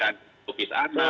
keadaan kutubis anak